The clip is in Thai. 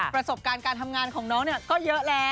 ประสบการณ์การทำงานของน้องก็เยอะแล้ว